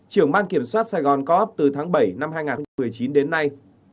trưởng ban kiểm soát sài gòn co op từ tháng bảy năm hai nghìn một mươi chín đến nay